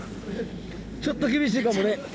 ちょっと厳しいかもね。